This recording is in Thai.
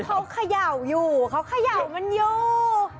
เพราะเขาขย่าวอยู่เขาขย่าวมันอยู่